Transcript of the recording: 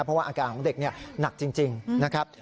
เพราะว่าอาการของเด็กหนักจริงนะครับ